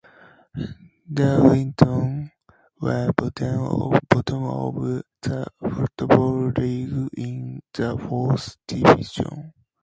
Darlington were bottom of the Football League in the Fourth Division.